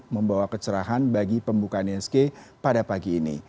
membawa kecerahan bagi pembukaan isg pada pagi ini